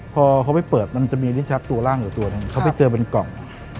พอเขาไปเปิดมันจะมีลิ้นชักตัวร่างอยู่ตัวหนึ่งเขาไปเจอเป็นกล่อง